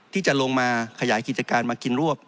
ที่จะลงมาขยายกิจการมากินรวบ